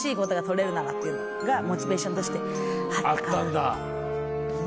っていうのがモチベーションとしてあったかな。